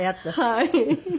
はい。